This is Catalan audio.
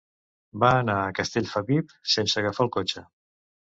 Va anar a Castellfabib sense agafar el cotxe.